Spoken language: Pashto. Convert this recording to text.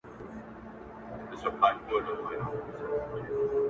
ته غواړې هېره دي کړم فکر مي ارې ـ ارې کړم.